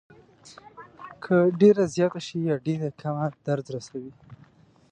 که ډېره زیاته شي یا ډېره کمه درد رسوي.